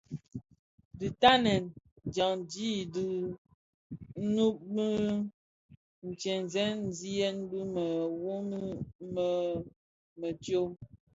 Dhi ntanen dyandi di nud ndhemziyèn bi mëwoni më mëshyom.